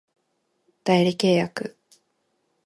代理契約